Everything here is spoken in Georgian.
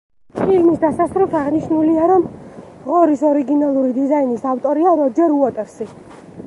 ფილმის დასასრულს აღნიშნულია, რომ ღორის ორიგინალური დიზაინის ავტორია როჯერ უოტერსი.